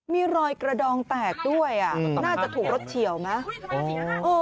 มีรอยกระดองแตกด้วยน่าจะถูกรถเฉียวไหม